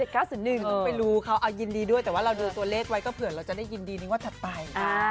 ต้องไปรู้เขาเอายินดีด้วยแต่ว่าเราดูตัวเลขไว้ก็เผื่อเราจะได้ยินดีในงวดถัดไป